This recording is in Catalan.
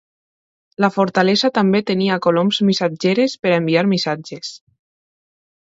La fortalesa també tenia coloms missatgeres per enviar missatges.